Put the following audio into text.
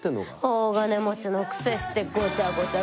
大金持ちのくせしてごちゃごちゃ